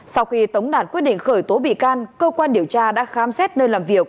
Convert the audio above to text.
sau khi tống đạt quyết định khởi tố bị can cơ quan điều tra đã khám xét nơi làm việc